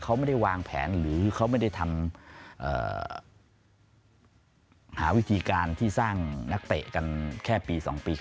เขาไม่ได้วางแผนหรือเขาไม่ได้ทำหาวิธีการที่สร้างนักเตะกันแค่ปี๒ปี๒๕